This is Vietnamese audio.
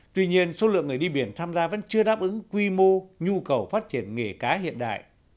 tuy nhiên số lượng người đi biển tham gia vẫn chưa đáp ứng quy mô nhu cầu phát triển nghề cá hiện đại